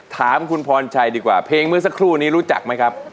ถามคุณพรชัยดีกว่าเพลงเมื่อสักครู่นี้รู้จักไหมครับ